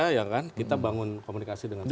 yang kan kita bangun komunikasi dengan